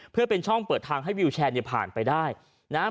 เพื่อเป็นช่องเปิดทางให้วิวแชร์เนี่ยผ่านไปได้นะครับ